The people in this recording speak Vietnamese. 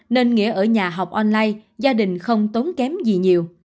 nên nghĩa ở nhà học online gia đình không tốn kém gì nhiều